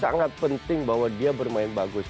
sangat penting bahwa dia bermain bagus